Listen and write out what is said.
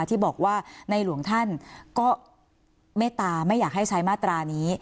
ที่บอกว่าในหลวงท่านก็เมตตาไม่อยากให้ใช้มาตรานี้